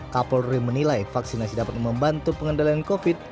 kapolri menilai vaksinasi dapat membantu pengendalian covid sembilan belas